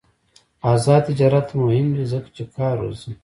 آزاد تجارت مهم دی ځکه چې کار روزي.